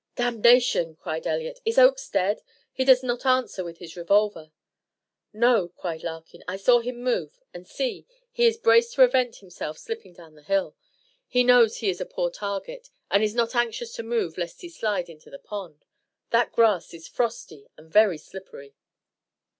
"Damnation!" cried Elliott. "Is Oakes dead? He does not answer with his revolver." "No," cried Larkin. "I saw him move, and see he is braced to prevent himself slipping down the hill. He knows he is a poor target, and is not anxious to move lest he slide into the pond. That grass is frosty and very slippery."